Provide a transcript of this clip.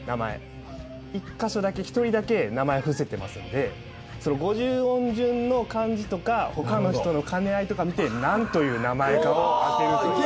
１カ所だけ１人だけ名前伏せてますのでその５０音順の漢字とか他の人の兼ね合いとか見てなんという名前かを当てるという。